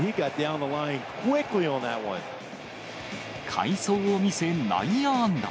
快走を見せ、内野安打。